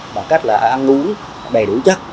bằng cách là ăn uống đầy đủ chất